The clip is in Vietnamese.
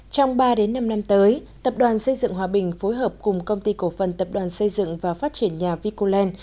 trong ba năm năm tới tập đoàn xây dựng hòa bình phối hợp cùng công ty cổ phần tập đoàn xây dựng và phát triển nhà vicoland